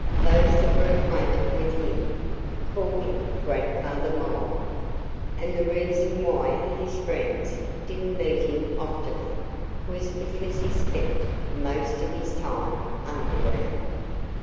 Those that were acquainted with him called him Grandfather Mole. And the reason why his friends didn't meet him oftener was because he spent most of his time underground.